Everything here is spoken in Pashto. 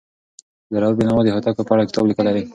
عبدالروف بېنوا د هوتکو په اړه کتاب لیکلی دی.